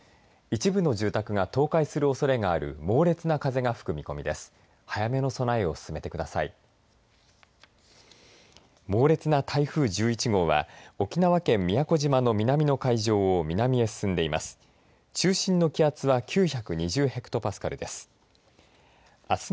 一部の住宅が倒壊するおそれがある猛烈な風が吹く見込みです。